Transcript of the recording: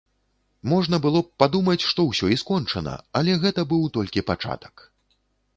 Можна было б падумаць, што ўсё і скончана, але гэта быў толькі пачатак.